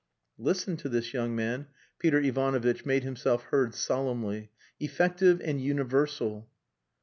"Listen to this, young man." Peter Ivanovitch made himself heard solemnly. "Effective and universal."